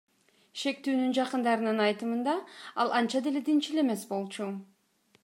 Шектүүнүн жакындарынын айтымында, ал анча деле динчил эмес болчу.